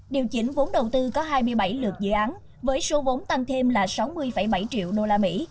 điều chỉnh vốn đầu tư có hai mươi bảy lượt dự án với số vốn tăng thêm là sáu mươi bảy triệu đô la mỹ